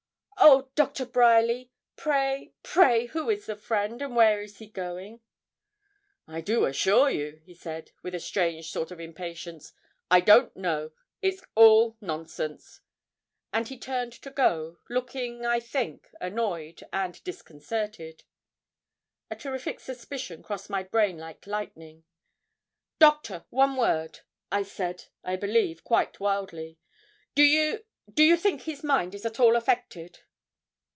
'Oh! Doctor Bryerly, pray, pray who is the friend, and where is he going?' 'I do assure you,' he said, with a strange sort of impatience, 'I don't know; it is all nonsense.' And he turned to go, looking, I think, annoyed and disconcerted. A terrific suspicion crossed my brain like lightning. 'Doctor, one word,' I said, I believe, quite wildly. 'Do you do you think his mind is at all affected?'